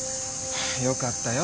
よかったよ